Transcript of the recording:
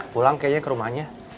pulang kayaknya ke rumahnya